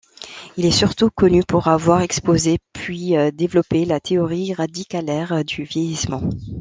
Il est surtout connu pour avoir exposé puis développé la théorie radicalaire du vieillissement.